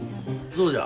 そうじゃ。